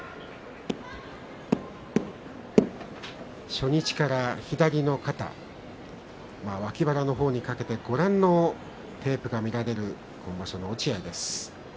初日から左の肩、脇腹にかけてご覧のテープが見られる落合です。